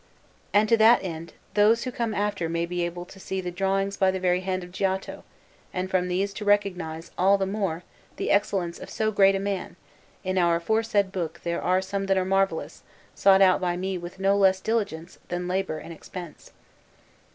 And to the end that those who come after may be able to see drawings by the very hand of Giotto, and from these to recognize all the more the excellence of so great a man, in our aforesaid book there are some that are marvellous, sought out by me with no less diligence than labour and expense.